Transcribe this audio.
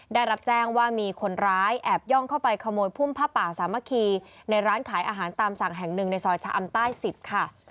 ได้รับแจ้งว่ามีคนร้ายแอบย่องเข้าไปขโมยพุ่มผ้าป่าสามัคคีในร้านขายอาหารตามสั่งแห่งหนึ่งในซอยชะอำใต้๑๐ค่ะ